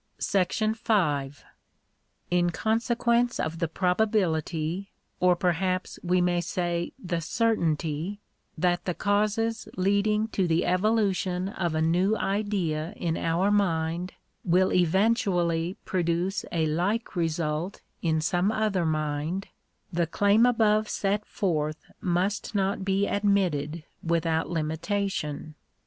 §5. In consequence of the probability, or perhaps we may say the certainty, that the causes leading to the evolution of a new idea in our mind, will eventually produce a like result in some other mind, the claim above set forth must not be admitted without limitation.